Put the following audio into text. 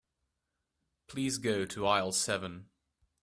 Please go to aisle seven.